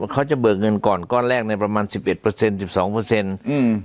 เขาจะเบิกเงินก่อนก้อนแรกในประมาณสิบเอ็ดเปอร์เซ็นสิบสองเปอร์เซ็นต์อืม